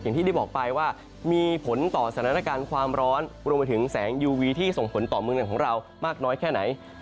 ที่ได้บอกไปว่ามีผลต่อสถานการณ์ความร้อนรวมไปถึงแสงยูวีที่ส่งผลต่อเมืองไหนของเรามากน้อยแค่ไหน